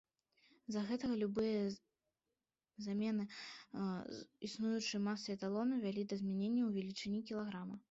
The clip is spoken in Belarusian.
З-за гэтага любыя змены існуючай масы эталону вялі да змяненняў велічыні кілаграма.